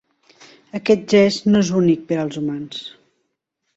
Aquest gest no és únic per als humans.